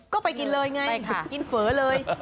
ก็ไปกินเลยไงกินเฝอเลย